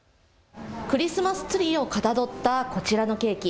クリスマスツリーをかたどったこちらのケーキ。